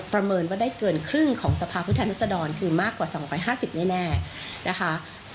ประเมินว่าได้เกินครึ่งของสภาพผู้แทนรัศดรคือมากกว่า๒๕๐แน่นะคะ